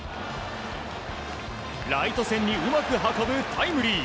ライト線にうまく運ぶタイムリー。